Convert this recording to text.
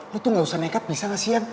lo tuh gak usah nekat bisa ngasih yan